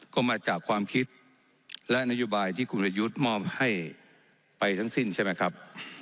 ก็มาจากความคิดและนโยบายที่คุณประยุทธ์มอบให้ไปทั้งสิ้นใช่ไหมครับ